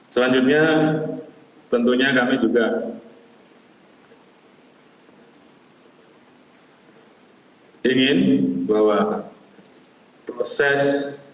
selanjutnya tentunya kami juga ingin bahwa proses